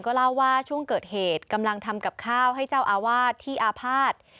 เล่าว่าช่วงเกิดเหตุกำลังทำกับข้าวให้เจ้าอาวาสที่อาภาษณ์